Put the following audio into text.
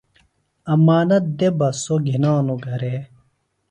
امانت دےۡ بہ سوۡ گِھنانوۡ گھرے۔